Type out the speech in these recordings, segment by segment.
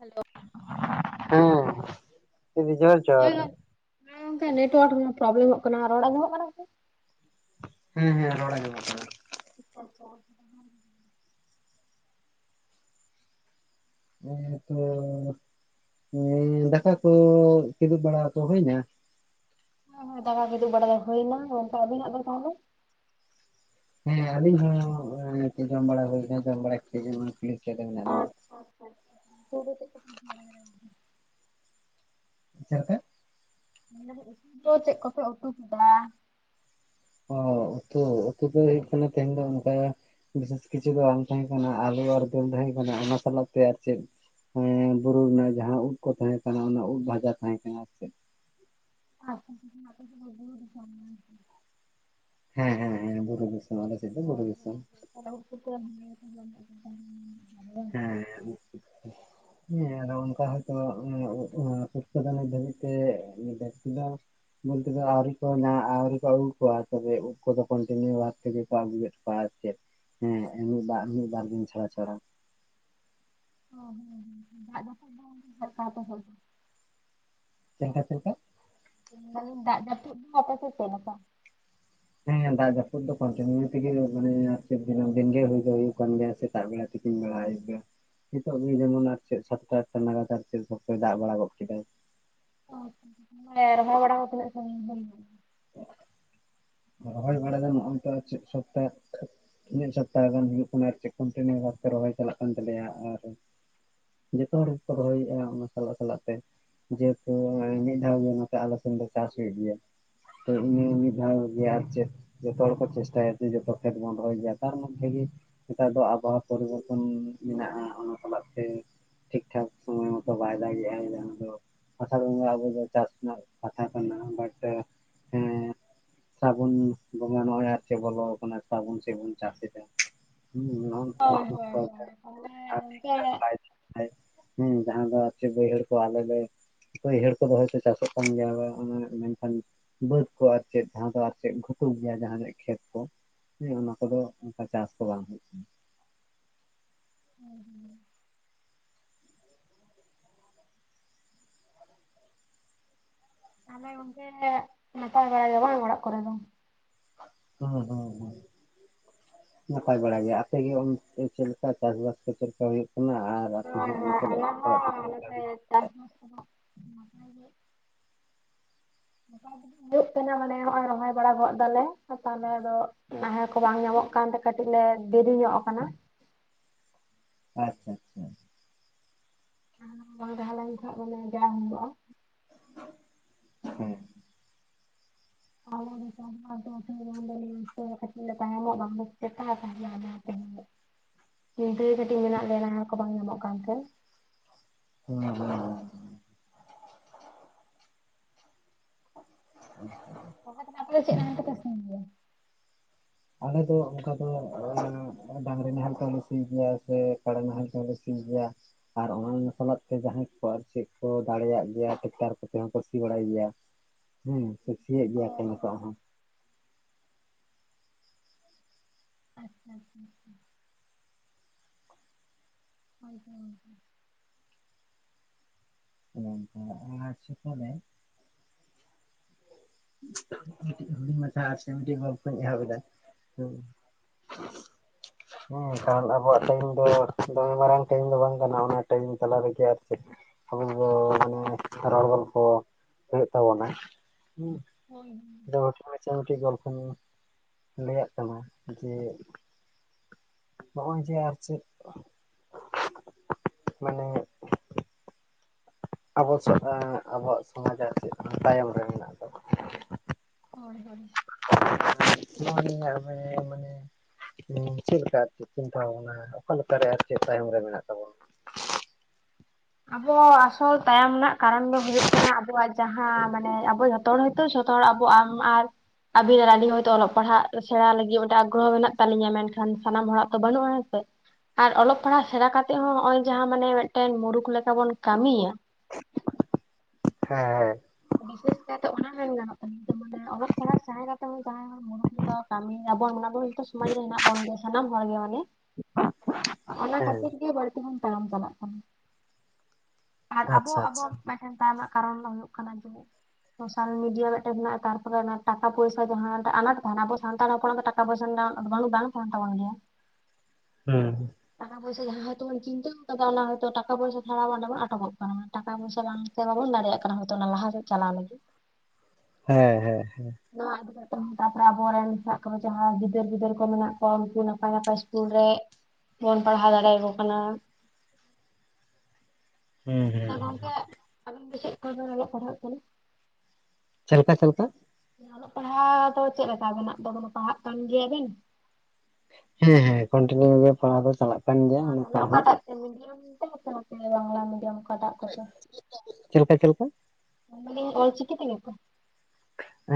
Hello. ᱦᱮᱸ ᱫᱤᱫᱤ ᱡᱚᱦᱟᱨ ᱡᱚᱦᱟᱨ ᱾ ᱦᱮᱸ ᱜᱚᱢᱞᱠᱮ ᱱᱮᱴᱚᱣᱟᱨᱠ ᱯᱚᱨᱵᱮᱞᱮᱢᱜ ᱠᱟᱱᱟ ᱨᱚᱲ ᱟᱸᱡᱚᱢᱚᱜ ᱠᱟᱱᱟ ᱥᱮ? ᱦᱮᱸ ᱦᱮᱸ ᱨᱚᱲ ᱟᱸᱡᱚᱢᱚᱜ ᱠᱟᱱᱟ ᱾ [unintelligible] ᱦᱮᱸ ᱛᱚ [unintelligible] ᱫᱟᱠᱟ ᱠᱚ ᱠᱤᱫᱩᱵ ᱵᱟᱲᱟ ᱠᱚ ᱦᱩᱭᱱᱟ? ᱦᱮᱸ ᱦᱮᱸ ᱫᱟᱠᱟ ᱠᱤᱫᱩᱵ ᱵᱟᱲᱟ ᱫᱚ ᱦᱩᱭᱱᱟ, ᱜᱚᱝᱠᱮ ᱟᱵᱤᱱᱟᱜ ᱫᱚ ᱛᱟᱦᱚᱞᱮ? ᱦᱮᱸ ᱟᱞᱤᱧ ᱦᱚᱸ ᱱᱚᱛᱮ ᱡᱚᱢ ᱵᱟᱲᱟ ᱦᱩᱭ ᱠᱟᱱᱟ ᱡᱚᱢ ᱵᱟᱲᱟ ᱠᱟᱛᱮᱜ ᱜᱮ ᱠᱩᱞᱦᱤ ᱥᱮᱡ ᱨᱮ ᱢᱮᱱᱟᱜ ᱞᱤᱧᱟᱹ ᱾ [unintelligible] [inaudible] ᱢᱮᱱᱫᱟᱞᱤᱝ ᱩᱛᱩ ᱫᱚ ᱪᱮᱫ ᱠᱚᱯᱮ ᱩᱛᱩ ᱠᱮᱫᱟ? ᱚ ᱩᱛᱩ ᱩᱛᱩ ᱫᱚ ᱦᱩᱭᱩᱜ ᱠᱟᱱᱟ ᱛᱮᱦᱮᱧ ᱫᱚ ᱚᱱᱠᱟ ᱵᱤᱥᱮᱥ ᱠᱤᱪᱷᱩ ᱫᱚ ᱵᱟᱝ ᱛᱟᱦᱮᱸ ᱠᱟᱱᱟ ᱟᱹᱞᱩ ᱟᱨ ᱫᱟᱹᱞ ᱛᱟᱦᱮᱸ ᱠᱟᱱᱟ ᱚᱱᱟ ᱥᱟᱞᱟᱜ ᱛᱮ ᱟᱨ ᱪᱮᱫ ᱮᱸᱻ ᱵᱩᱨᱩ ᱨᱮᱱᱟᱜ ᱡᱟᱦᱟᱸ ᱩᱫ ᱠᱚ ᱛᱟᱦᱮᱸ ᱠᱟᱱᱟ ᱚᱱᱟ ᱩᱫ ᱵᱷᱟᱡᱟ ᱛᱟᱦᱮᱸ ᱠᱟᱱᱟ ᱟᱨ ᱪᱮᱫ ᱾ [unintelligible] ᱦᱮᱸ ᱦᱮᱸ ᱦᱮᱸ ᱵᱩᱨᱩ ᱫᱤᱥᱚᱢ ᱟᱞᱮ ᱥᱮᱡ ᱫᱚ ᱵᱩᱨᱩ ᱫᱤᱥᱚᱢ ᱾ [unintelligible] ᱦᱮᱸ ᱾ ᱦᱮᱸ ᱟᱫᱚ ᱚᱱᱠᱟ ᱦᱚᱭᱛᱚ ᱩᱫ ᱮᱸᱻᱯᱩᱴᱠᱟᱹ [unintelligible] ᱵᱚᱞᱛᱮ ᱫᱚ ᱟᱹᱣᱨᱤ ᱧᱟ ᱟᱹᱣᱨᱤ ᱠᱚ ᱟᱹᱜᱩ ᱠᱚᱣᱟ ᱛᱚᱵᱮ ᱩᱫ ᱠᱚᱫᱚ ᱠᱚᱱᱴᱤᱱᱤᱭᱩ ᱵᱟᱥ ᱛᱮᱜᱮ ᱠᱚ ᱟᱹᱜᱩᱭᱮᱫ ᱟᱨ ᱪᱮᱫ ᱦᱮᱸ ᱢᱤᱜ ᱵᱟᱨ ᱢᱤᱫ ᱵᱟᱨ ᱫᱤᱱ ᱪᱷᱟᱲᱟ ᱪᱷᱟᱲᱟ ᱾ [unintelligible] ᱪᱮᱫ ᱞᱮᱠᱟ ᱪᱮᱫ ᱞᱮᱠᱟ? ᱢᱮᱱ ᱫᱟᱞᱤᱧ ᱫᱟᱜ ᱡᱟᱯᱩᱫ ᱟᱯᱮ ᱥᱮᱫ ᱪᱮᱫ ᱞᱮᱠᱟ? ᱦᱮᱸ ᱫᱟᱜ ᱡᱟᱹᱯᱩᱫ ᱫᱚ ᱠᱚᱱᱴᱤᱱᱤᱭᱩ ᱛᱮᱜᱮ ᱢᱟᱱᱮ [unintelligible] ᱫᱤᱱᱜᱮ ᱦᱩᱭᱩᱜ ᱠᱟᱱ ᱜᱮᱭᱟ ᱟᱞᱮ ᱥᱮᱫ ᱾ ᱥᱮᱛᱟᱜ ᱵᱮᱲᱟ ᱛᱠᱤᱱ ᱵᱮᱲᱟ ᱦᱚᱸ ᱟᱭᱩᱵ ᱵᱮᱲᱟ ᱾ ᱱᱤᱛᱳᱜ ᱜᱮ ᱡᱮᱢᱚᱱ ᱟᱨ ᱪᱮᱫ ᱥᱟᱛᱴᱟ ᱟᱴᱴᱟ ᱱᱟᱜᱟᱛ ᱥᱮᱨᱚᱠᱚᱢ ᱵᱷᱟᱵᱛᱮ ᱪᱮᱫ ᱥᱚᱠᱛᱚᱭ ᱫᱟᱜ ᱵᱟᱲᱟ ᱜᱚᱫ ᱠᱮᱫᱟᱭ ᱾ [unintelligible] ᱦᱮ ᱨᱚᱦᱚᱭ ᱵᱟᱲᱟ ᱠᱚ ᱛᱤᱱᱟᱹᱜ ᱥᱟᱸᱜᱤᱧ ᱦᱩᱭᱱᱟ [unintelligible] ᱨᱚᱦᱚᱭ ᱵᱟᱲᱟ ᱫᱚ ᱱᱚ-ᱚᱭ ᱛᱚ ᱪᱮᱫ [inaudible] ᱢᱤᱫ ᱥᱚᱯᱛᱟᱦᱚ ᱜᱟᱱ ᱦᱩᱭᱩᱜ ᱠᱟᱱᱟ ᱟᱨ ᱪᱮᱫ ᱠᱚᱱᱴᱤᱱᱤᱭᱩ ᱵᱷᱟᱵᱽ ᱛᱮ ᱨᱚᱦᱚᱭ ᱪᱟᱞᱟᱜ ᱠᱟᱱ ᱛᱟᱞᱮᱭᱟ, ᱟᱨ ᱡᱷᱚᱛᱚ ᱦᱚᱲ ᱜᱮᱠᱚ ᱨᱚᱦᱚᱭᱮᱜ-ᱟ ᱚᱱᱟ ᱥᱟᱞᱟᱜ ᱥᱟᱞᱟᱜ ᱛᱮ ᱾ ᱡᱮᱦᱮᱛᱩ ᱢᱤᱫ ᱫᱷᱟᱣᱜᱮ ᱱᱟᱛᱮ ᱟᱞᱮ ᱥᱮᱫ ᱫᱚ ᱪᱟᱥ ᱦᱩᱭᱩᱜ ᱜᱮᱭᱟ ᱛᱚ ᱤᱱᱟᱹ ᱢᱤᱫ ᱫᱷᱟᱣ ᱜᱮ ᱟᱨ ᱪᱮᱫ ᱡᱚᱛᱚ ᱦᱚᱲ ᱠᱚ ᱪᱮᱥᱴᱟᱭᱟ ᱡᱮ ᱡᱚᱛᱚ ᱠᱷᱮᱛ ᱵᱚᱱ ᱨᱚᱦᱚᱭ ᱜᱮᱭᱟ ᱛᱟᱨ ᱢᱚᱽᱫᱷᱮ ᱜᱮ ᱱᱮᱛᱟᱨ ᱫᱚ ᱟᱵᱚᱦᱟᱣᱟ ᱯᱚᱨᱤᱵᱚᱨᱛᱚᱱ ᱢᱮᱱᱟᱜ-ᱟ ᱚᱱᱟ ᱥᱟᱞᱟᱜ ᱛᱮ ᱴᱷᱤᱠ ᱴᱷᱟᱠ ᱥᱚᱢᱚᱭ ᱢᱚᱛᱚ ᱵᱟᱭ ᱫᱟᱜᱮᱜ-ᱟ [unintelligible] ᱫᱚ ᱟᱥᱟᱲ ᱵᱚᱸᱜᱟ ᱟᱵᱚ ᱫᱚ ᱪᱟᱥ ᱨᱮᱱᱟᱜ ᱠᱟᱛᱷᱟ ᱠᱟᱱᱟ, ᱵᱟᱴ ᱥᱟᱵᱚᱱ ᱵᱚᱸᱜᱟ ᱱᱚᱜ-ᱚᱭ ᱟᱨ ᱪᱮᱫ ᱵᱚᱞᱚᱣ ᱠᱟᱱᱟ ᱥᱟᱵᱟᱱ ᱥᱮᱫ ᱵᱚᱱ ᱪᱟᱥ ᱮᱫᱟ ᱦᱩᱸ ᱦᱳᱭ ᱦᱳᱭ ᱦᱳᱭ ᱛᱟᱦᱚᱞᱮ ᱜᱚᱝᱠᱮ ᱦᱮᱸ ᱦᱩᱸ ᱡᱟᱸᱦᱟᱸ ᱫᱚ ᱟᱨ ᱪᱮᱫ ᱵᱟᱹᱭᱦᱟᱹᱲ ᱠᱚ ᱟᱞᱮ ᱞᱮ ᱵᱟᱹᱭᱦᱟᱹᱲ ᱠᱚ ᱫᱚ ᱦᱳᱭᱛᱳ ᱪᱟᱥᱚᱜ ᱠᱟᱱ ᱜᱮᱭᱟ ᱵᱟᱝ ᱚᱱᱟ ᱢᱮᱱᱠᱷᱟᱱ ᱵᱟᱹᱫᱽ ᱠᱚ ᱟᱨ ᱪᱮᱫ ᱾ ᱡᱟᱸᱦᱟᱸ ᱫᱚ ᱟᱨ ᱪᱮᱫ ᱜᱷᱩᱴᱩ ᱜᱮᱭᱟ ᱡᱟᱦᱟᱸᱱᱟᱜ ᱠᱷᱮᱛ ᱠᱚ, ᱦᱮᱸ ᱚᱱᱟ ᱠᱚᱫᱚ ᱚᱱᱠᱟ ᱪᱟᱥ ᱠᱚ ᱵᱟᱝ ᱦᱩᱭᱩᱜ ᱠᱟᱱᱟ ᱾ ᱦᱩᱸ ᱦᱩᱸ ᱛᱟᱦᱞᱮ ᱜᱚᱝᱠᱮ ᱱᱟᱯᱟᱭ ᱵᱟᱲᱟ ᱜᱮ ᱦᱳᱭ ᱚᱲᱟᱜ ᱠᱚᱨᱮ ᱫᱚ᱾ ᱦᱩᱸ ᱦᱩᱸ ᱦᱩᱸ᱾ ᱱᱟᱯᱟᱭ ᱵᱟᱲᱟ ᱜᱮᱭᱟ, ᱟᱯᱮ ᱜᱮ ᱚᱱᱛᱮ ᱪᱮᱫ ᱞᱮᱠᱟ ᱪᱟᱥᱵᱟᱥ ᱠᱚ ᱪᱮᱫ ᱞᱮᱠᱟ ᱦᱩᱭᱩᱜ ᱠᱟᱱᱟ ᱟᱨ ᱟᱯᱮ ᱦᱚᱸ ᱚᱱᱟ ᱥᱟᱞᱟᱜ ᱥᱟᱞᱟᱜ ᱛᱮ ᱪᱮᱫ ᱞᱮᱠᱟ ᱢᱮᱱᱟᱜ ᱟᱪᱪᱷᱟ [inaudible] [inaudible] [inaudible] ᱦᱩᱭᱩᱜ ᱠᱟᱱᱟ ᱢᱟᱱᱮ ᱱᱚᱜᱼᱚᱸᱭ ᱨᱚᱦᱚᱭ ᱵᱟᱲᱟ ᱜᱚᱫ ᱫᱟᱞᱮ, ᱜᱟᱯᱟ ᱢᱮᱭᱟᱝ ᱫᱚ ᱱᱟᱦᱮᱞ ᱠᱚ ᱵᱟᱝ ᱧᱟᱢᱚᱜ ᱠᱟᱱᱛᱮ ᱠᱟᱹᱴᱤᱡ ᱞᱮ ᱫᱤᱨᱤᱧᱚᱜ ᱟᱠᱟᱱᱟ᱾ ᱟᱪᱪᱷᱟ ᱟᱪᱪᱷᱟ᱾ ᱱᱟᱦᱮᱞ ᱵᱟᱝ ᱛᱟᱦᱮᱸ ᱞᱮᱱ ᱠᱷᱟᱡ ᱢᱟᱱᱮ ᱡᱟ ᱦᱩᱭᱩᱜᱼᱟ᱾ ᱦᱩᱸ [inaudible] [inaudible] ᱪᱤᱱᱛᱟ. ᱨᱮ ᱠᱟᱹᱴᱤᱡ ᱢᱮᱱᱟᱜ ᱞᱮᱭᱟ ᱱᱟᱦᱮᱞ ᱠᱚ ᱵᱟᱝ ᱧᱟᱢᱚᱜ ᱠᱟᱱᱛᱮ᱾ [inaudible] [inaudible] [inaudible] ᱥᱤ ᱜᱮᱭᱟ᱾ ᱟᱞᱮ ᱫᱚ ᱚᱱᱠᱟ ᱫᱚ ᱰᱟᱝᱨᱤ ᱱᱟᱦᱮᱞ ᱛᱮᱦᱚᱸ ᱞᱮ ᱥᱤ ᱜᱮᱭᱟ ᱥᱮ ᱠᱟᱰᱟ ᱱᱟᱦᱮᱞ ᱛᱮᱦᱚᱸ ᱞᱮ ᱥᱤ ᱜᱮᱭᱟ᱾ ᱟᱨ ᱚᱱᱟ ᱥᱟᱞᱟᱜ ᱛᱮ ᱡᱟᱸᱦᱟᱸᱭ ᱠᱚ ᱟᱨ ᱪᱮᱫ ᱠᱚ ᱫᱟᱲᱮᱭᱟᱜ ᱜᱮᱭᱟ ᱴᱮᱠᱴᱟᱨ ᱠᱚᱛᱮ ᱦᱚᱸ ᱠᱚ ᱥᱤ ᱵᱟᱲᱟᱭ ᱜᱮᱭᱟ᱾ ᱦᱩᱸ ᱥᱤᱭᱮ ᱦᱳᱭ ᱜᱮᱭᱟ ᱠᱚ ᱱᱤᱛᱚᱜ ᱦᱳᱭ ᱦᱚᱸ᱾ [inaudible] [inaudible] [inaudible] ᱨᱮ ᱢᱤᱫᱴᱤᱡ ᱦᱩᱰᱤᱧ ᱢᱟᱪᱷᱟ ᱟᱨ ᱥᱮ ᱢᱤᱫᱴᱤᱡ ᱜᱚᱞᱯᱚᱧ ᱮᱦᱚᱵ ᱮᱫᱟ᱾ [inaudible] ᱦᱮᱸ ᱠᱷᱟᱱ ᱟᱵᱚᱣᱟᱜ ᱴᱟᱭᱤᱢ ᱫᱚ ᱫᱚᱢᱮ ᱢᱟᱨᱟᱝ ᱴᱟᱭᱤᱢ ᱫᱚ ᱵᱟᱝ ᱠᱟᱱᱟ ᱚᱱᱟ ᱴᱟᱭᱤᱢ ᱛᱟᱞᱟ ᱨᱮᱜᱮ ᱟᱨ ᱪᱮᱫ᱾ ᱟᱵᱚ ᱫᱚ ᱢᱟᱱᱮ ᱨᱚᱲ ᱜᱚᱞᱯᱷᱚ ᱦᱩᱭᱩᱜ ᱛᱟᱵᱚᱱᱟ᱾ ᱦᱩᱸ ᱦᱳᱭ ᱤᱧ ᱫᱚ ᱦᱩᱰᱤᱧ ᱢᱟᱪᱷᱟ ᱢᱤᱫᱴᱤᱡ ᱜᱚᱞᱯᱚᱧ ᱞᱟᱹᱭᱟᱜ ᱠᱟᱱᱟ ᱡᱮ᱾ ᱱᱚᱜᱼᱚᱸᱭ ᱡᱮ ᱟᱨ ᱪᱮᱫ, ᱢᱟᱱᱮ ᱟᱵᱚ [inaudible] ᱟᱵᱚᱣᱟᱜ ᱥᱚᱢᱟᱡᱽ ᱟᱨ ᱪᱮᱫ ᱛᱟᱭᱚᱢ ᱨᱮ ᱢᱮᱱᱟᱜ ᱫᱚ ᱦᱳᱭ ᱦᱳᱭ᱾ [inaudible] ᱧᱮᱞ ᱢᱮ ᱢᱟᱱᱮ᱾ ᱪᱮᱫ ᱞᱮᱠᱟ ᱪᱮᱫ ᱪᱤᱱᱛᱟᱹ ᱵᱷᱟᱵᱚᱱᱟ ᱚᱠᱟ ᱞᱮᱠᱟ ᱨᱮ ᱟᱨ ᱪᱮᱫ ᱛᱟᱭᱚᱢ ᱨᱮ ᱢᱮᱱᱟᱜ ᱛᱟᱵᱚᱱ᱾ ᱟᱵᱚ ᱟᱥᱚᱞ ᱛᱟᱭᱚᱢ ᱨᱮᱱᱟᱜ ᱠᱟᱨᱟᱱ ᱫᱚ ᱦᱩᱭᱩᱜ ᱠᱟᱱᱟ ᱟᱵᱚᱣᱟᱜ ᱡᱟᱸᱦᱟᱸ ᱢᱟᱱᱮ ᱟᱵᱚ ᱡᱚᱛᱚ ᱦᱚᱲ ᱦᱳᱭ ᱛᱚ ᱡᱚᱛᱚ ᱦᱚᱲ ᱟᱵᱚ ᱟᱢ ᱟᱨ ᱟᱵᱤᱱ ᱟᱨ ᱟᱞᱤᱧ ᱦᱳᱭ ᱛᱚ ᱚᱞᱚᱜ ᱯᱟᱲᱦᱟᱜ ᱥᱮᱲᱟ ᱞᱟᱹᱜᱤᱫ ᱢᱤᱫᱴᱮᱱ ᱟᱜᱽᱨᱚᱦᱚ ᱢᱮᱱᱟᱜ ᱛᱟᱹᱞᱤᱧᱟ ᱢᱮᱱᱠᱷᱟᱱ ᱥᱟᱱᱟᱢ ᱦᱚᱲᱟᱜ ᱛᱚ ᱵᱟᱹᱱᱩᱜᱼᱟ ᱦᱮᱸ ᱥᱮ᱾ ᱟᱨ ᱚᱞᱚᱜ ᱯᱟᱲᱦᱟᱜ ᱥᱮᱲᱟ ᱠᱟᱛᱮ ᱦᱚᱸ ᱦᱚᱜᱼᱚᱸᱭ ᱡᱟᱸᱦᱟᱸ ᱢᱟᱱᱮ ᱢᱤᱫᱴᱮᱱ ᱢᱩᱨᱩᱠᱷ ᱞᱮᱠᱟ ᱵᱚᱱ ᱠᱟᱹᱢᱤᱭᱟ᱾ ᱦᱮᱸ ᱦᱮᱸ᱾ ᱵᱤᱥᱮᱥ ᱠᱟᱭᱛᱮ ᱚᱱᱟ ᱢᱮᱱ ᱜᱟᱱᱚᱜ ᱠᱟᱱᱟ ᱡᱮ ᱢᱟᱱᱮ ᱚᱞᱚᱜ ᱯᱟᱲᱦᱟᱜ ᱥᱮᱲᱟ ᱠᱟᱛᱮ ᱦᱚᱸ ᱡᱟᱸᱦᱟᱸᱭ ᱦᱚᱲ [inaudible] ᱛᱚ ᱠᱟᱹᱢᱤ ᱟᱵᱚᱱ [inaudible] ᱥᱚᱢᱟᱡᱽ ᱨᱮ ᱦᱮᱱᱟᱜ ᱵᱚᱱ ᱜᱮ ᱥᱟᱱᱟᱢ ᱦᱚᱲ ᱜᱮ ᱢᱟᱱᱮ᱾ [inaudible] ᱚᱱᱟ ᱦᱮᱸ ᱠᱷᱟᱹᱛᱤᱨ ᱜᱮ ᱵᱟᱹᱲᱛᱤ ᱵᱚᱱ ᱛᱟᱭᱟᱢ ᱪᱟᱞᱟᱜ ᱠᱟᱱᱟ᱾ ᱟᱨ ᱟᱵᱚ ᱟᱪᱪᱷᱟ ᱟᱪᱪᱷᱟ ᱟᱵᱚᱣᱟᱜ ᱢᱤᱫᱴᱮᱱ ᱛᱟᱭᱚᱢ ᱨᱮᱱᱟᱜ ᱠᱟᱨᱚᱱ ᱫᱚ ᱦᱩᱭᱩᱜ ᱠᱟᱱᱟ ᱡᱮ, ᱥᱳᱥᱟᱞ ᱢᱤᱰᱤᱭᱟ ᱢᱤᱫᱴᱮᱱ ᱦᱮᱱᱟᱜ-ᱟ, ᱛᱟᱨᱯᱚᱨᱮ ᱚᱱᱟ ᱴᱟᱠᱟ ᱯᱚᱭᱥᱟ ᱡᱟᱦᱟᱸ ᱟᱱᱟᱴ ᱛᱟᱦᱮᱱᱟ ᱟᱵᱚ ᱥᱟᱱᱛᱟᱲ ᱦᱚᱯᱚᱱᱟᱜ ᱫᱚ ᱴᱟᱠ ᱴᱟᱠᱟ ᱯᱚᱭᱥᱟ ᱨᱮᱱᱟᱜ [unintelligible] ᱵᱟᱝ ᱛᱟᱦᱮᱱ ᱛᱟᱵᱚᱱ ᱜᱮᱭᱟ᱾ ᱦᱩᱸ᱾ ᱴᱟᱠᱟ ᱯᱚᱭᱥᱟ ᱡᱟᱦᱟᱸ ᱦᱳᱭᱛᱚ ᱵᱚᱱ ᱪᱤᱱᱛᱟᱹᱣ ᱠᱟᱫᱟ ᱚᱱᱟ ᱦᱳᱭ ᱴᱟᱠᱟ ᱯᱚᱭᱥᱟ ᱪᱷᱟᱲᱟ ᱵᱟᱱᱩᱜ-ᱟ᱾ ᱟᱴᱚᱠᱚᱜ ᱠᱟᱱᱟ᱾ ᱴᱟᱠᱟ ᱯᱚᱭᱥᱟ ᱵᱟᱝᱛᱮ ᱵᱟᱵᱚᱱ ᱫᱟᱲᱮᱭᱟᱜ ᱠᱟᱱᱟ ᱦᱳᱭᱛᱚ ᱚᱱᱟ ᱞᱟᱦᱟ ᱥᱮᱫ ᱪᱟᱞᱟᱜ ᱞᱟᱹᱜᱤᱫ᱾ ᱦᱮᱸ ᱦᱮᱸ ᱦᱮᱸ᱾ [unintelligible] ᱛᱟᱯᱚᱨᱮ ᱟᱵᱚᱨᱮᱱ ᱥᱟᱵ ᱠᱚᱢᱮ ᱡᱟᱦᱟᱸᱭ ᱜᱤᱫᱟᱹᱨ ᱯᱤᱫᱟᱹᱨ ᱠᱚ ᱢᱮᱱᱟᱜ ᱠᱚᱣᱟ ᱩᱱᱠᱩ ᱱᱟᱯᱟᱭ ᱱᱟᱯᱟᱭ ᱤᱥᱠᱩᱞ ᱨᱮ ᱵᱚᱱ ᱯᱟᱲᱦᱟᱣ ᱫᱟᱲᱮᱭᱟᱠᱚ ᱠᱟᱱᱟ᱾ ᱦᱩᱸ ᱦᱩᱸ ᱟᱨ ᱜᱚᱝᱠᱮ ᱟᱵᱮᱱ ᱫᱚ ᱪᱮᱫ ᱠᱚᱵᱮᱱ ᱚᱞᱚᱜ ᱯᱟᱲᱦᱟᱜ ᱠᱟᱱᱟ? ᱪᱮᱫ ᱞᱮᱠᱟ ᱪᱮᱫ ᱞᱮᱠᱟ? ᱚᱞᱚᱜ ᱯᱟᱲᱦᱟᱣ ᱫᱚ ᱪᱮᱫ ᱞᱮᱠᱟ ᱟᱵᱱᱟᱜ ᱫᱚ ᱠᱳᱱᱳ ᱯᱟᱲᱦᱟᱜ ᱠᱟᱱ ᱜᱮᱭᱟᱵᱮᱱ? ᱦᱮᱸ ᱦᱮᱸ ᱠᱚᱱᱴᱤᱱᱤᱭᱩ ᱜᱮ ᱯᱟᱲᱦᱟᱣ ᱫᱚ ᱪᱟᱞᱟᱜ ᱠᱟᱱ ᱜᱮᱭᱟ ᱚ, ᱛᱚᱵᱮ ᱱᱚᱝᱠᱟ ᱦᱚᱸ ᱚᱠᱟᱴᱟ ᱛᱮ ᱢᱤᱰᱤᱭᱟᱢ ᱛᱮ ᱥᱮ ᱵᱟᱝᱞᱟ ᱢᱤᱰᱤᱭᱟᱢ? ᱚᱠᱟᱴᱟᱜ ᱠᱚᱛᱮ, ᱪᱮᱫ ᱞᱮᱠᱟ ᱪᱮᱫ ᱞᱮᱠᱟ ᱢᱮᱱᱫᱟᱹᱧ ᱚᱞᱪᱤᱠᱤ ᱛᱮᱜᱮ ᱛᱚ?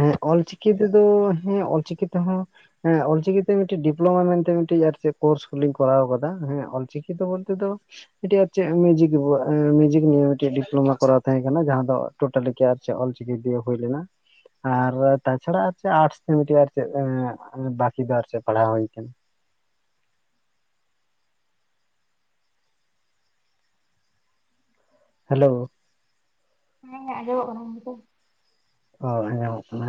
ᱮᱸᱜ ᱚᱞᱪᱤᱠᱤ ᱛᱮᱫᱚ ᱦᱮᱸ, ᱚᱞᱪᱤᱠᱤ ᱛᱮᱦᱚᱸ ᱦᱮᱸ ᱚᱞᱪᱤᱠᱤᱛᱮ ᱢᱤᱫᱴᱤᱡ ᱰᱤᱯᱞᱳᱢᱟ ᱢᱮᱱᱛᱮ ᱢᱤᱫᱴᱤᱡ ᱟᱨ ᱪᱮᱫ ᱠᱳᱨᱥ ᱠᱚᱞᱤᱧ ᱠᱚᱨᱟᱣ ᱠᱟᱫᱟ᱾ ᱦᱮᱸ ᱚᱞᱪᱤᱠᱤ ᱫᱚ ᱵᱚᱞᱛᱮ ᱫᱚ ᱢᱤᱫᱴᱤᱡ ᱟᱨ ᱪᱮᱫ ᱢᱤᱣᱡᱤᱠ ᱱᱚᱣᱟ ᱢᱤᱣᱡᱤᱠ ᱱᱤᱭᱮ ᱢᱤᱫᱴᱤᱡ ᱰᱤᱯᱞᱳᱢᱟ ᱠᱚᱨᱟᱣ ᱛᱟᱦᱮᱸ ᱠᱟᱱᱟ ᱡᱟᱦᱟᱸ ᱫᱚ ᱴᱳᱴᱟᱞᱤ ᱜᱮ ᱟᱨ ᱪᱮᱫ ᱚᱞ ᱪᱤᱠᱤ ᱫᱤᱭᱮ ᱦᱩᱭ ᱞᱮᱱᱟ᱾ ᱟᱨ ᱛᱟᱪᱷᱟᱲᱟ ᱟᱨ ᱪᱮᱫ ᱟᱨᱴᱥ ᱛᱮ ᱢᱤᱫᱴᱤᱡ ᱟᱨ ᱪᱮᱫ ᱵᱟᱠᱤ ᱫᱚ ᱟᱨ ᱪᱮᱫ ᱯᱟᱲᱦᱟᱣ ᱦᱩᱭ ᱠᱟᱱᱟ᱾ ᱦᱮᱞᱳ᱾ ᱦᱮᱸ, ᱟᱸᱡᱚᱢᱚᱜ ᱠᱟᱱᱟ ᱦᱳᱭᱛᱚ᱾ ᱚ ᱟᱸᱧᱟᱢᱚᱜ ᱠᱟᱱᱟ,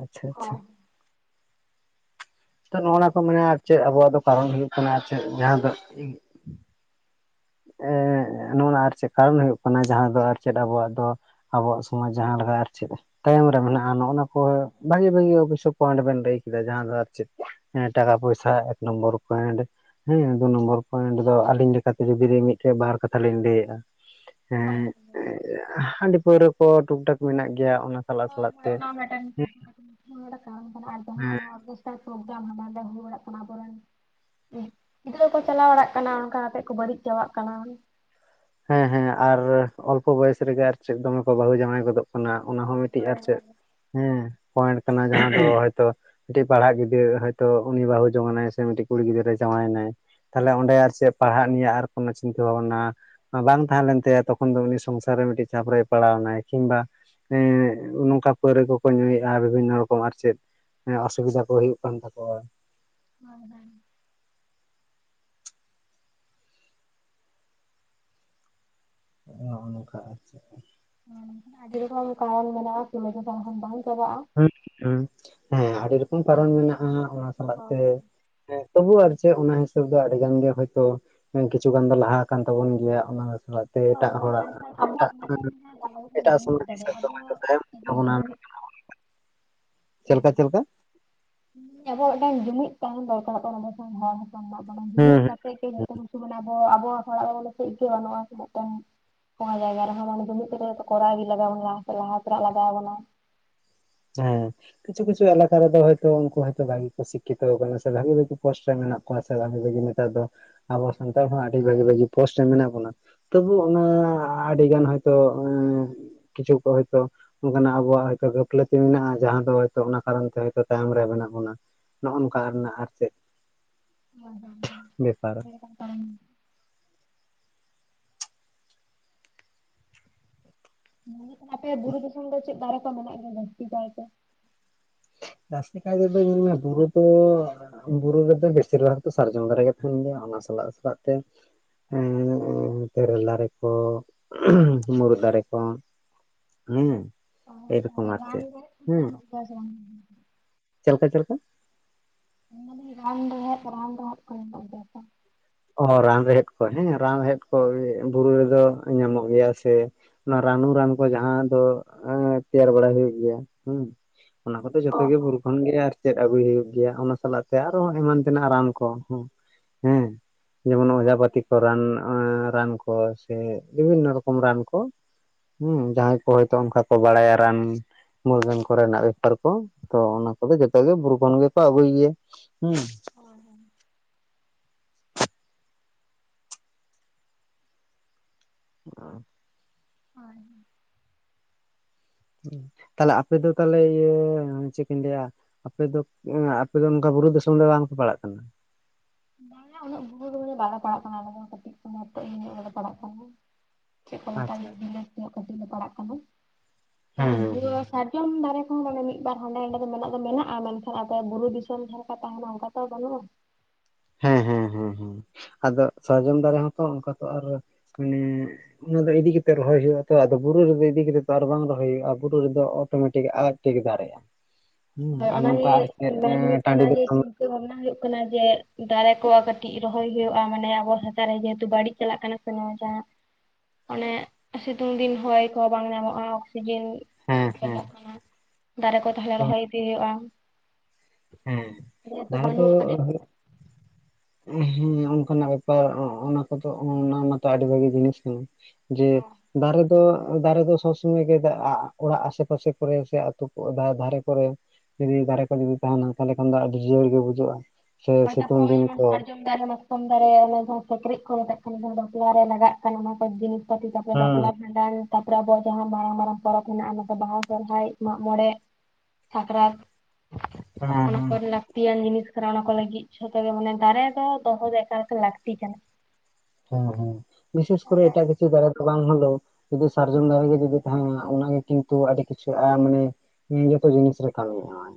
ᱟᱪᱪᱷᱟ ᱟᱪᱪᱷᱟ᱾ ᱦᱳᱭ᱾ ᱛᱟᱞᱦᱮ ᱚᱱᱟ ᱠᱚ ᱢᱮᱱᱟ ᱟᱨ ᱪᱮᱫ ᱟᱵᱚᱣᱟᱜ ᱫᱚ ᱠᱟᱨᱚᱱ ᱦᱩᱭᱩᱜ ᱠᱟᱱᱟ ᱟᱨ ᱪᱮᱫ ᱡᱟᱦᱟᱸᱭ ᱫᱚ ᱮᱸᱻ ᱱᱚᱜ-ᱚᱱᱟ ᱟᱨ ᱪᱮᱫ ᱠᱟᱨᱚᱱ ᱦᱩᱭᱩᱜ ᱠᱟᱱᱟ ᱡᱟᱦᱟᱸ ᱫᱚ ᱟᱨ ᱪᱮᱫ ᱟᱵᱚᱣᱟᱜ ᱫᱚ ᱟᱵᱚᱣᱟᱜ ᱥᱚᱢᱟᱡᱽ ᱡᱟᱦᱟᱸ ᱞᱮᱠᱟ ᱟᱨ ᱪᱮᱫ ᱛᱟᱭᱚᱢ ᱨᱮ ᱢᱮᱱᱟᱜ-ᱟ ᱱᱚᱜ-ᱚᱱᱟ ᱠᱚ ᱵᱷᱟᱜᱤ ᱵᱷᱟᱜᱤ ᱚᱵᱵᱳᱥᱥᱳᱭ ᱯᱚᱭᱮᱱᱴ ᱵᱮᱱ ᱞᱟᱹᱭ ᱠᱮᱫᱟ ᱡᱟᱦᱟᱸ ᱫᱚ ᱟᱨ ᱪᱮᱫ ᱦᱮᱸ ᱴᱟᱠᱟ ᱯᱚᱭᱥᱟ ᱮᱠ ᱱᱚᱢᱵᱚᱨ ᱯᱚᱭᱮᱱᱴ, ᱦᱮᱸ ᱫᱩ ᱱᱚᱢᱵᱚᱨ ᱯᱚᱭᱮᱱᱴ ᱫᱚ ᱟᱞᱤᱧ ᱞᱮᱠᱟᱛᱮ ᱡᱩᱫᱤ ᱡᱩᱫᱤ ᱢᱤᱫᱴᱮᱡ ᱵᱟᱨ ᱠᱟᱛᱷᱟ ᱞᱤᱧ ᱞᱟᱹᱭᱮᱫ-ᱟ᱾ ᱦᱳᱭ ᱮᱸᱫ ᱦᱟᱺᱰᱤ ᱯᱟᱹᱣᱨᱟᱹ ᱠᱚ ᱴᱩᱠᱴᱟᱠ ᱢᱮᱱᱟᱜ ᱜᱮᱭᱟ ᱚᱱᱟ ᱥᱟᱞᱟᱜ ᱦᱳᱭ ᱥᱟᱞᱟᱜ ᱦᱳᱭ ᱛᱮ ᱚᱱᱟ ᱦᱚᱸ ᱢᱮᱴᱟᱱ ᱦᱮᱸ [unintelligible] ᱦᱚᱲᱮ ᱠᱟᱱᱟ ᱟᱨ ᱦᱮᱸ᱾ ᱚᱨᱜᱮᱥᱴᱨᱟ ᱯᱨᱳᱜᱨᱟᱢ ᱦᱟᱸᱰᱮ ᱱᱟᱰᱮ ᱦᱩᱭ ᱵᱟᱲᱟᱜ ᱠᱟᱱᱟ ᱟᱵᱚᱨᱮᱱ ᱜᱤᱫᱽᱨᱟᱹ ᱠᱚ ᱪᱟᱞᱟᱣ ᱵᱟᱲᱟᱜ ᱠᱟᱱᱟ ᱚᱝᱠᱟ ᱠᱟᱛᱮᱜ ᱠᱚ ᱵᱟᱹᱲᱤᱡ ᱪᱟᱵᱟᱜ ᱠᱟᱱᱟ᱾ ᱦᱮᱸ ᱦᱮᱸ ᱟᱨ ᱚᱞᱯᱚ ᱵᱚᱭᱮᱥ ᱨᱮᱜᱮ ᱟᱨ ᱪᱮᱫ ᱫᱚᱢᱮ ᱠᱚ ᱵᱟᱹᱦᱩ ᱡᱟᱶᱟᱭ ᱜᱚᱫᱚᱜ ᱠᱟᱱᱟ᱾ ᱚᱱᱟ ᱦᱚᱸ ᱢᱤᱫᱴᱤᱡ ᱦᱳᱭ᱾ ᱟᱨ ᱪᱮᱫ ᱦᱳᱭ ᱦᱮᱸ ᱯᱚᱭᱮᱱᱴ ᱠᱟᱱᱟ ᱡᱟᱦᱟᱸ ᱫᱚ ᱦᱚᱭᱛᱚ ᱢᱤᱫᱴᱤᱡ ᱯᱟᱲᱦᱟᱜ ᱜᱤᱫᱽᱨᱟᱹ ᱦᱚᱭᱛᱚ ᱩᱱᱤ ᱵᱟᱹᱦᱩ ᱡᱚᱝᱱᱟᱭ ᱥᱮ ᱢᱤᱫᱴᱤᱡ ᱠᱩᱲᱤ ᱜᱤᱫᱽᱨᱟᱹ ᱡᱟᱶᱟᱭᱮᱱᱟᱭ ᱛᱟᱞᱦᱮ ᱚᱸᱰᱮ ᱟᱨ ᱪᱮᱫ ᱯᱟᱲᱦᱟᱜ ᱱᱤᱭᱮ ᱟᱨ ᱠᱳᱱᱳ ᱪᱤᱱᱛᱟᱹ ᱵᱷᱟᱵᱱᱟ ᱵᱟᱝ ᱛᱟᱦᱮᱸ ᱞᱮᱱᱛᱟᱭᱟ ᱛᱚᱠᱷᱚᱱ ᱫᱚ ᱩᱱᱤ ᱥᱚᱝᱥᱟᱨ ᱨᱮ ᱢᱤᱫᱴᱤᱡ ᱪᱟᱯ ᱨᱮ ᱯᱟᱲᱟᱣ ᱮᱱᱟᱭ᱾ ᱠᱤᱢᱵᱟ ᱮᱸᱜ ᱱᱚᱝᱠᱟ ᱯᱟᱹᱣᱨᱟᱹ ᱠᱚᱠᱚ ᱧᱩᱭᱮᱜ-ᱟ ᱵᱤᱵᱷᱤᱱᱱᱚ ᱨᱚᱠᱚᱢ ᱟᱨ ᱪᱮᱫ᱾ ᱦᱮᱸ, ᱚᱥᱩᱵᱤᱫᱟ ᱠᱚ ᱦᱩᱭᱩᱜ ᱠᱟᱱ ᱛᱟᱠᱚᱣᱟ᱾ ᱦᱳᱭ ᱦᱳᱭ᱾ ᱦᱚᱜ ᱱᱚᱝᱠᱟ ᱟᱨ ᱪᱮᱫ ᱦᱮᱸ ᱟᱹᱰᱤ ᱨᱚᱠᱚᱢ ᱠᱟᱨᱚᱱ ᱢᱮᱱᱟᱜᱼᱟ ᱨᱤᱞᱟ. ᱡᱚᱠᱷᱟ ᱞᱮᱠᱷᱟᱱ ᱵᱟᱝ ᱪᱟᱵᱟᱜᱼᱟ ᱦᱮᱸ ᱦᱮᱸ ᱟᱹᱰᱤ ᱨᱚᱠᱚᱢ ᱠᱟᱨᱚᱢ ᱢᱮᱱᱟᱜᱼᱟ ᱚᱱᱟ ᱥᱟᱞᱟᱜ ᱦᱳᱭ ᱛᱮ ᱦᱮᱸ ᱛᱚᱵᱩ ᱟᱨ ᱪᱮᱫ ᱚᱱᱟ ᱦᱤᱥᱟᱹᱵ ᱫᱚ ᱟᱹᱰᱤ ᱜᱟᱱ ᱜᱮ ᱦᱚᱭᱛᱚ ᱠᱤᱪᱷᱩ ᱜᱟᱱ ᱫᱚ ᱞᱟᱦᱟ ᱠᱟᱱᱟ ᱛᱟᱵᱚᱱ ᱜᱮᱭᱟ ᱚᱱᱟ ᱛᱮᱜᱮ ᱦᱳᱭ᱾ ᱮᱴᱟᱜ ᱦᱳᱭ ᱦᱳᱭ ᱦᱚᱲᱟᱜ ᱢᱮᱱᱠᱷᱟᱱ ᱮᱴᱟᱜ ᱟᱵᱚᱣᱟᱜ ᱢᱤᱫᱴᱮᱱ ᱵᱟᱵᱚᱱ ᱮᱴᱟᱜ ᱡᱩᱢᱤᱫ ᱥᱚᱢᱟᱡᱽ ᱫᱟᱲᱮ ᱟᱵᱚ ᱡᱩᱫᱤ ᱡᱩᱢᱤᱫ [inaudible] ᱪᱮᱫ ᱞᱮᱠᱟ ᱪᱮᱫ ᱞᱮᱠᱟ ᱦᱮᱸ ᱟᱵᱚ ᱢᱤᱫᱴᱟᱝ ᱡᱩᱢᱤᱫ ᱛᱟᱦᱮᱱ ᱫᱚᱨᱠᱟᱨᱚᱜ ᱠᱟᱱᱟ [inaudible] ᱦᱩᱸ ᱡᱩᱢᱤᱫ ᱦᱩᱸ ᱪᱮᱫ ᱜᱮ ᱡᱚᱛᱚ ᱠᱤᱪᱷᱩ ᱢᱟᱱᱮ ᱟᱵᱚ ᱟᱵᱚ ᱦᱚᱲᱟᱜ ᱫᱚ ᱵᱚᱞᱮ ᱪᱮᱫ ᱜᱮ ᱵᱟᱝ. ᱱᱩᱜ ᱟᱥᱮ ᱢᱮᱫᱴᱮᱱ ᱚᱱᱟ ᱡᱟᱭᱜᱟ ᱨᱮᱦᱚ ᱢᱟᱱᱮ ᱡᱩᱢᱤᱫ ᱠᱟᱛᱮ ᱡᱷᱚᱛᱚ ᱠᱚᱨᱟᱣ ᱜᱮ ᱞᱟᱜᱟᱣ ᱵᱚᱱᱟ ᱞᱟᱦᱟ ᱥᱮᱱᱚᱜ ᱞᱟᱜᱟᱣ ᱵᱚᱱᱟ ᱦᱮᱸ ᱠᱤᱪᱷᱩ ᱠᱤᱪᱷᱩ ᱮᱞᱟᱠᱟ ᱨᱮᱫᱚ ᱦᱚᱭᱛᱳ ᱩᱱᱠᱩ ᱦᱚᱭ ᱛᱮ ᱵᱷᱟᱜᱮ ᱠᱚ ᱥᱤᱠᱠᱷᱤᱛᱚ ᱠᱟᱱᱟ ᱥᱮ ᱵᱷᱟᱜᱤ ᱵᱷᱟᱜᱤ ᱯᱳᱥᱴ ᱨᱮ ᱢᱮᱱᱟᱜ ᱠᱚᱣᱟ ᱥᱮ ᱵᱷᱟᱜᱤ ᱵᱷᱟᱜᱤ ᱱᱮᱛᱟᱨ ᱫᱚ ᱟᱵᱚ ᱥᱟᱱᱛᱟᱲ ᱦᱚᱸ ᱟᱹᱰᱤ ᱵᱷᱟᱹᱜᱤ ᱵᱷᱟᱹᱜᱤ ᱯᱳᱥᱴ ᱨᱮ ᱢᱮᱱᱟᱜ ᱵᱚᱱᱟ ᱛᱚᱵᱩ ᱚᱱᱟ ᱟᱹᱰᱤ ᱜᱟᱱ ᱦᱚᱭᱛᱳ ᱮ ᱠᱤᱪᱷᱩ ᱠᱚ ᱦᱚᱭᱛᱳ ᱚᱱᱠᱟᱜ ᱟᱵᱚᱣᱟᱜ ᱦᱚᱭᱛᱚ ᱜᱟ. ᱯᱞᱟ. ᱛᱤ ᱢᱮᱱᱟᱜᱼᱟ ᱡᱟᱦᱟᱸ ᱫᱚ ᱦᱚᱭ ᱛᱚ ᱚᱱᱟ ᱠᱟᱨᱚᱱ ᱛᱮ ᱛᱟᱭᱚᱢ ᱨᱮ ᱢᱮᱱᱟᱜ ᱵᱚᱱᱟ ᱱᱚᱜᱼᱚ ᱱᱚᱝᱠᱟ ᱨᱮᱱᱟᱜ ᱟᱨ ᱪᱮᱫ ᱵᱮᱯᱟᱨ [unintelligible] ᱟᱯᱮ ᱵᱩᱨᱩ ᱫᱤᱥᱚᱢ ᱫᱚ ᱪᱮᱫ ᱫᱟᱨᱮ ᱠᱚ ᱢᱮᱱᱟᱜ ᱜᱮᱭᱟ ᱡᱟᱹᱥᱛᱤ ᱠᱟᱭᱛᱮ ᱡᱟᱥᱛᱤ ᱠᱟᱭᱛᱮ ᱫᱚ ᱧᱮᱞ ᱢᱮ ᱵᱩᱨᱩ ᱛᱚ ᱵᱩᱨᱩ ᱨᱮᱫᱚ ᱵᱮᱥᱤᱨ ᱵᱷᱟᱜᱽ ᱫᱚ ᱥᱟᱨᱡᱚᱢ ᱫᱟᱨᱮ ᱜᱮ ᱛᱟᱦᱮᱱ ᱜᱮᱭᱟ ᱚᱱᱟ ᱥᱟᱞᱟᱜ ᱥᱟᱞᱟᱜ ᱛᱮ ᱦᱮᱸ ᱛᱮᱨᱮᱞ ᱫᱟᱨᱮ ᱠᱚ ᱢᱩᱨᱩᱫ ᱫᱟᱨᱮ ᱠᱚ ᱦᱮᱸ ᱮ ᱨᱚᱠᱚᱢ ᱛᱟᱦᱚᱞᱮ ᱟᱨ ᱨᱟᱱ ᱪᱮᱫ ᱨᱮᱦᱮᱫ ᱦᱮᱸ [unintelligible] ᱪᱮᱫ ᱞᱮᱠᱟ ᱪᱮᱫ ᱞᱮᱠᱟ ᱢᱮᱱᱮᱫ ᱨᱟᱱ ᱨᱮᱦᱮᱫ ᱨᱟᱱ ᱨᱮᱦᱮᱫ ᱠᱚ ᱦᱮᱱᱟᱜ ᱜᱮᱭᱟ ᱥᱮ ᱚ ᱨᱟᱱ ᱨᱮᱦᱮᱫ ᱠᱚ ᱦᱮᱸ ᱨᱟᱱ ᱨᱮᱦᱮᱫ ᱠᱚ ᱵᱩᱨᱩ ᱨᱮᱫᱚ ᱧᱟᱢᱚᱜ ᱜᱮᱭᱟ ᱥᱮ ᱚᱱᱟ ᱨᱟᱱᱩ ᱨᱟᱱ ᱠᱚ ᱡᱟᱦᱟᱸ ᱫᱚ ᱮ ᱛᱮᱭᱟᱨ ᱵᱟᱲᱟ ᱦᱩᱭᱩᱜ ᱜᱮᱭᱟ ᱦᱩᱸ ᱚᱱᱟ ᱠᱚᱫᱚ ᱡᱚᱛᱚ ᱜᱮ ᱵᱩᱨᱩ ᱠᱷᱚᱱ ᱜᱮ ᱟᱨ ᱪᱮᱫ ᱟᱹᱜᱩᱭ ᱦᱩᱭᱩᱜ ᱜᱮᱭᱟ ᱚᱱᱟ ᱥᱟᱞᱟᱜ ᱛᱮ ᱟᱨᱚ ᱮᱢᱟᱱ ᱛᱮᱱᱟᱜ ᱨᱟᱱ ᱠᱚ ᱦᱮᱸ ᱡᱮᱢᱚᱱ ᱚᱡᱦᱟ ᱯᱟᱹᱛᱤ ᱠᱚ ᱨᱟᱱ ᱨᱟᱱ ᱠᱚ ᱥᱮ ᱵᱤᱵᱷᱤᱱᱱᱚ ᱨᱚᱠᱚᱢ ᱨᱟᱱ ᱠᱚ ᱦᱩᱸ ᱡᱟᱦᱟᱸᱭ ᱠᱚ ᱦᱚᱭᱛᱳ ᱚᱱᱠᱟ ᱠᱚ ᱵᱟᱲᱟᱭᱟ ᱨᱟᱱ ᱢᱩᱨᱜᱟᱹᱱ ᱠᱚᱨᱮᱱᱟᱜ ᱵᱮᱯᱟᱨ ᱠᱚ ᱛᱚ ᱚᱱᱟ ᱠᱚᱫᱚ ᱡᱚᱛᱚ ᱜᱮ ᱵᱩᱨᱩ ᱠᱷᱚᱱ ᱜᱮᱠᱚ ᱟᱹᱜᱩᱭ ᱜᱮᱭᱟ ᱦᱩᱸ [unintelligible] ᱦᱳᱭ ᱛᱟᱦᱞᱮ ᱟᱯᱮ ᱫᱚ ᱛᱟᱦᱚᱞᱮ ᱤᱭᱟᱹ ᱪᱮᱫ ᱠᱩᱧ ᱞᱟᱹᱭᱟ ᱟᱯᱮ ᱫᱚ ᱟᱯᱮᱫᱚ ᱱᱚᱝᱠᱟ ᱵᱩᱨᱩ ᱫᱤᱥᱚᱢ ᱫᱚ ᱵᱟᱝ ᱯᱮ ᱯᱟᱲᱟᱜ ᱠᱟᱱᱟ ᱵᱟᱝ ᱟ ᱩᱱᱟᱹᱜ ᱵᱩᱨᱩ ᱫᱚ ᱩᱱᱟᱹᱜ ᱵᱟᱞᱮ ᱯᱟᱲᱟᱜ ᱠᱟᱱᱟ ᱟᱞᱮ ᱫᱚ ᱠᱟᱹᱴᱤᱡ ᱱᱚᱛᱮ ᱤᱭᱟ ᱱᱚᱜ ᱜᱮᱞᱮ ᱯᱟᱲᱟᱜ ᱠᱟᱱᱟ ᱪᱮᱫ ᱠᱚ ᱢᱮᱛᱟᱜᱼᱟ ᱟᱪᱪᱷᱟ ᱵᱤᱞᱟᱹᱛ ᱧᱚᱜ ᱠᱟᱹᱴᱤᱡ ᱞᱮ ᱯᱟᱲᱟᱜ ᱠᱟᱱᱟ ᱢᱟᱱᱮ ᱦᱮᱸ ᱦᱮᱸ ᱵᱤᱲᱟᱹᱣᱟ ᱥᱟ ᱥᱟᱨᱡᱚᱢ ᱫᱟᱨᱮ ᱠᱚᱦᱚᱸ ᱢᱟᱱᱮ ᱢᱤᱫ ᱵᱟᱨ ᱦᱟᱸᱰᱮ ᱱᱟᱰᱮ ᱫᱚ ᱢᱮᱱᱟᱜ ᱫᱚ ᱢᱮᱱᱟᱜᱼᱟ ᱢᱮᱱᱠᱷᱟᱱ ᱟᱯᱮᱭᱟᱜ ᱵᱩᱨᱩ ᱫᱤᱥᱚᱢ ᱡᱟᱦᱟᱸ ᱞᱮᱠᱟ ᱛᱟᱦᱮᱱᱟ ᱚᱱᱠᱟ ᱛᱚ ᱵᱟᱹᱱᱩᱜᱼᱟ ᱦᱮᱸ ᱦᱮᱸ ᱦᱮᱸ ᱟᱫᱚ ᱥᱟᱨᱡᱚᱢ ᱫᱟᱨᱮ ᱦᱚᱸᱛᱚ ᱚᱱᱠᱟ ᱛᱚ ᱟᱨ ᱢᱟᱱᱮ ᱚᱱᱟ ᱫᱚ ᱤᱫᱤ ᱠᱟᱛᱮᱫ ᱨᱚᱦᱚᱭ ᱦᱩᱭᱩᱜ ᱟ ᱛᱚ ᱟᱫᱚ ᱵᱩᱨᱩ ᱨᱮᱫᱚ ᱤᱫᱤ ᱠᱟᱛᱮᱫ ᱛᱚ ᱟᱨ ᱵᱟᱝ ᱨᱚᱦᱚᱭ ᱦᱩᱭᱩᱜᱼᱟ ᱵᱩᱨᱩ ᱨᱮᱫᱚ ᱚᱴᱳᱢᱮᱴᱤᱠ ᱟᱡ ᱛᱮᱜᱮ ᱫᱟᱨᱮᱜᱼᱟ ᱦᱮᱸ ᱦᱮ ᱟᱨ ᱱᱚᱝᱠᱟ ᱚᱱᱟᱜᱮ ᱟᱨ ᱪᱮᱫ ᱢᱮᱱ ᱦᱩᱭᱩᱜ ᱴᱟᱺᱰᱤ ᱠᱟᱱᱟ ᱡᱮ ᱫᱤᱥᱚᱢ ᱪᱤᱱᱛᱟ. ᱵᱷᱟᱵᱱᱟ ᱦᱩᱭᱩᱜ ᱠᱟᱱᱟ ᱡᱮ ᱫᱟᱨᱮ ᱠᱚ ᱠᱟᱹᱴᱤᱡ ᱨᱚᱦᱚᱭ ᱦᱩᱭᱩᱜᱼᱟ ᱢᱟᱱᱮ ᱟᱵᱚ ᱪᱮᱛᱟᱱ ᱨᱮ ᱡᱮᱦᱮᱛᱩ ᱵᱟᱹᱲᱤᱡ ᱪᱟᱞᱟᱜ ᱠᱟᱱᱟ ᱡᱟᱦᱟᱸ ᱚᱱᱮ ᱥᱤᱛᱩᱝ ᱫᱤᱱ ᱦᱚᱭ ᱠᱚᱦᱚᱸ ᱵᱟᱝ ᱧᱟᱢᱚᱜᱼᱟ ᱚᱠᱥᱤᱡᱮᱱ ᱦᱮᱸ ᱦᱮᱸ ᱪᱟᱞᱟᱜ ᱠᱟᱱᱟ ᱫᱟᱨᱮ ᱠᱚ ᱛᱟᱦᱚᱞᱮ ᱨᱚᱦᱚᱭ ᱤᱫᱤ ᱦᱩᱭᱩᱜᱼᱟ᱾ ᱦᱮᱸ ᱡᱮᱦᱮᱛᱩ ᱫᱟᱨᱮ ᱫᱚ ᱵᱟᱹᱱᱩᱜᱼᱟ ᱠᱟᱹᱴᱤᱡ ᱦᱩᱸ ᱚᱱᱠᱟᱱᱟᱜ ᱵᱮᱯᱟᱨ ᱚᱱᱟ ᱠᱚᱫᱚ ᱚᱱᱟ ᱢᱟᱛᱚ ᱟᱹᱰᱤ ᱵᱷᱟᱹᱜᱤ ᱡᱤᱱᱤᱥ ᱠᱟᱱᱟ᱾ ᱡᱮ ᱫᱟᱨᱮ ᱫᱚ ᱫᱟᱨᱮ ᱫᱚ ᱥᱚᱵᱽ ᱥᱚᱢᱚᱭ ᱜᱮ ᱚᱲᱟᱜ ᱟᱥᱮ ᱯᱟᱥᱮ ᱠᱚᱨᱮ ᱥᱮ ᱟᱹᱛᱩ ᱫᱷᱟᱨᱮ ᱠᱚᱨᱮ ᱡᱩᱫᱤ ᱫᱟᱨᱮ ᱠᱚ ᱡᱩᱚᱫᱤ ᱛᱟᱦᱮᱱᱟ ᱛᱟᱦᱚᱞᱮ ᱠᱷᱟᱱ ᱫᱚ ᱟᱹᱰᱤ ᱡᱤᱭᱟᱹᱲ ᱜᱮ ᱵᱩᱡᱟᱹᱜᱼᱟ ᱥᱮ ᱥᱤᱛᱩᱝ ᱫᱤᱱ ᱠᱚ ᱟᱨᱦᱚ ᱢᱟᱠᱚᱢ ᱫᱟᱨᱮ ᱚᱱᱮ ᱡᱟᱦᱟᱸ ᱥᱤᱠᱲᱤᱡ ᱠᱚ ᱢᱮᱛᱟᱜ ᱠᱟᱱᱟ ᱡᱟᱦᱟᱸ ᱵᱟᱯᱞᱟ ᱨᱮ ᱞᱟᱜᱟᱜ ᱠᱟᱱᱟ ᱚᱱᱟ ᱠᱚ ᱡᱤᱱᱤᱥ [unintelligible] ᱵᱟᱯᱞᱟ ᱦᱮᱸ ᱵᱷᱟᱸᱰᱟᱱ ᱛᱟᱯᱚᱨᱮ ᱟᱵᱚᱣᱟᱜ ᱡᱟᱦᱟᱸ ᱢᱟᱨᱟᱝ ᱢᱟᱨᱟᱝ ᱯᱚᱨᱚᱵᱽ ᱦᱮᱱᱟᱜ ᱚᱱᱟ ᱫᱚ ᱵᱟᱦᱟ ᱥᱚᱨᱦᱟᱭ ᱢᱟᱜ ᱢᱚᱬᱮ ᱥᱟᱠᱨᱟᱛ ᱦᱮᱸ ᱚᱱᱟ ᱦᱮᱸ ᱠᱚ ᱞᱟᱹᱠᱛᱤᱭᱟᱱ ᱡᱤᱱᱤᱥ ᱠᱟᱱᱟ ᱚᱱᱟ ᱠᱚ ᱞᱟᱹᱜᱤᱫ ᱡᱷᱚᱛᱚ ᱢᱟᱱᱮ ᱫᱟᱨᱮ ᱫᱚ ᱫᱚᱦᱚ ᱫᱚ ᱮᱠᱟᱞᱛᱮ ᱞᱟᱹᱠᱛᱤ ᱠᱟᱱᱟ ᱦᱮᱸ ᱦᱮᱸ ᱵᱤᱥᱮᱥ ᱠᱚᱨᱚ ᱦᱳᱭ ᱮᱴᱟᱜ - ᱪᱮᱫ ᱫᱟᱨᱮ ᱫᱚ ᱵᱟᱝ ᱦᱚᱞᱳ ᱡᱩᱫᱤ ᱥᱟᱨᱡᱚᱢ ᱫᱟᱨᱮᱜ ᱜᱮ ᱡᱩᱫᱤ ᱛᱟᱦᱮᱱᱟ ᱚᱱᱟᱜᱮ ᱠᱤᱱᱛᱩ ᱟᱹᱰᱤ ᱠᱤᱪᱷᱩ ᱢᱟᱱᱮ ᱩᱸ ᱡᱚᱛᱚ ᱡᱤᱱᱤᱥ ᱨᱮ ᱠᱟᱹᱢᱤ ᱮᱢᱟᱭ᱾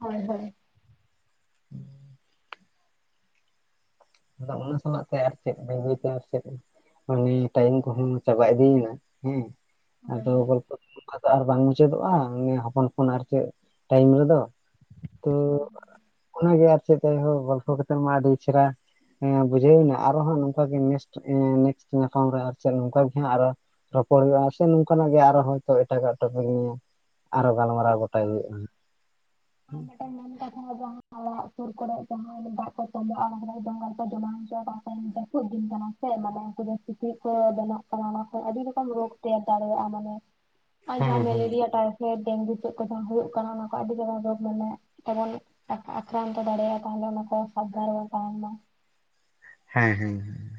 ᱦᱳᱭ ᱦᱳᱭ [inaudible] ᱟᱫᱚ ᱚᱱᱟ ᱥᱟᱞᱟᱜ ᱛᱮ ᱟᱨ ᱪᱮᱫ ᱵᱟᱹᱭ ᱵᱟᱹᱭᱛᱮ ᱢᱩᱪᱟᱹᱫ ᱮᱱᱟ ᱢᱟᱱᱮ ᱴᱟᱭᱤᱢ ᱠᱚᱦᱚᱸ ᱪᱟᱵᱟ ᱤᱫᱤᱭᱮᱱᱟ ᱦᱮᱸ ᱟᱫᱚ ᱜᱚᱞᱯᱚᱼᱼ ᱚᱱᱠᱟ ᱫᱚ ᱟᱨ ᱵᱟᱝ ᱢᱩᱪᱟᱹᱫᱚᱜᱼᱟ ᱦᱚᱯᱚᱱ ᱦᱚᱯᱚᱱ ᱟᱨ ᱪᱮᱫ ᱴᱟᱭᱤᱢ ᱨᱮᱫᱚ᱾ ᱛᱚ ᱚᱱᱟᱜᱮ ᱟᱨᱪᱮ ᱡᱟᱭᱦᱳ ᱜᱚᱞᱯᱚ ᱠᱟᱛᱮ ᱢᱟ ᱟᱹᱰᱤ ᱪᱮᱦᱚᱨᱟ ᱵᱩᱡᱷᱟᱹᱣᱱᱟ ᱟᱨᱚ ᱦᱟᱜ ᱱᱚᱝᱠᱟ ᱜᱮ ᱱᱮᱠᱥᱚᱴ ᱧᱟᱯᱟᱢ ᱨᱮ ᱟᱨᱮᱫ ᱱᱚᱝᱠ ᱜᱮ ᱨᱚᱯᱚᱲ ᱦᱩᱭᱩᱜᱼᱟ, ᱥᱮ ᱱᱚᱝᱠᱟᱱᱟᱜ ᱜᱮ ᱟᱨᱚ ᱦᱭᱛ ᱮᱴᱟᱜᱟᱜ ᱴᱚᱯᱤᱠ ᱱᱤᱭᱮ ᱟᱨᱚ ᱜᱟᱞᱢᱟᱨᱟᱣ ᱜᱚ ᱴᱟᱭ ᱦᱩᱭᱩᱜᱼᱟ᱾ [unintelligible] ᱚᱲᱟᱜ ᱥᱩᱨ ᱠᱚᱨᱮ ᱡᱟᱦᱟᱸᱭ ᱫᱟᱜ ᱠᱚ ᱛᱚᱸᱵᱚᱜᱼᱟ ᱚᱱᱟ ᱰᱚᱸᱜᱟᱲ ᱠᱚ ᱡᱚᱢᱟᱣ ᱦᱚᱪᱚᱼᱟ ᱡᱟᱹᱯᱩᱫ ᱫᱤᱱ ᱠᱟᱱᱟ᱾ ᱥᱮ ᱢᱟᱱᱮ ᱩᱱᱠᱩ ᱫᱚ ᱥᱤᱠᱤᱡ ᱠᱚ ᱵᱮᱱᱟᱜ ᱠᱟᱱᱟ ᱾ ᱚᱱᱟ ᱠᱷ ᱟᱹᱰᱤ ᱨᱚᱠᱚᱢ ᱨᱳᱜᱽ ᱛᱮᱭᱟᱨ ᱫᱟᱲᱮᱭᱟᱜᱼᱟ᱾ ᱢᱟᱱᱮ [inaudible] ᱟᱨ ᱡᱟᱦᱟᱸ ᱦᱮᱸ ᱢᱮᱞᱮᱨᱤᱭᱟ ᱴᱟᱭᱯᱷᱚᱭᱮᱰ ᱰᱮᱝᱜᱩ ᱪᱮᱫ ᱠᱚ ᱡᱟᱦᱟᱸ ᱦᱩᱭᱩᱜ ᱠᱟᱱᱟ ᱚᱱᱟ ᱠᱚ ᱟᱹᱰᱤ ᱡᱟᱨᱟᱝ ᱨᱳᱜ ᱢᱟᱱᱮ ᱡᱮᱢᱚᱱ ᱟᱠᱨᱟᱱᱛ ᱫᱟᱲᱮᱭᱟᱜᱼᱟ, ᱛᱟᱦᱚᱞᱮ ᱚᱱᱟ ᱠᱚ ᱥᱟᱵ ᱢᱟ᱾ ᱦᱮᱸ, ᱦᱮᱸ᱾